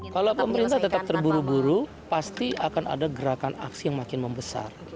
kalau pemerintah tetap terburu buru pasti akan ada gerakan aksi yang makin membesar